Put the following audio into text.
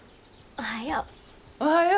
おはよう。